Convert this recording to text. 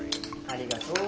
ありがとう。